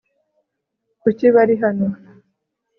kuki bari hano